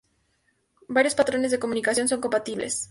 Varios patrones de comunicación son compatibles.